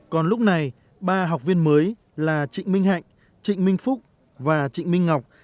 còn lúc này ba học viên mới là trịnh minh hạnh trịnh minh phúc và trịnh minh ngọc